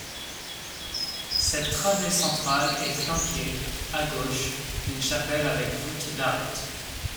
Cette travée centrale est flanquée, à gauche, d'une chapelle avec voûte d'arête.